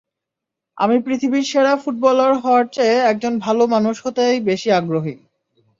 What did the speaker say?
আমি পৃথিবীর সেরা ফুটবলার হওয়ার চেয়ে একজন ভালো মানুষ হতেই বেশি আগ্রহী।